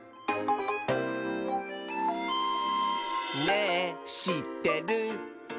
「ねぇしってる？」